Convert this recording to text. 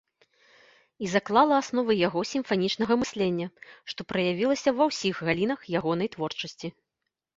І заклала асновы яго сімфанічнага мыслення, што праявілася ва ўсіх галінах ягонай творчасці.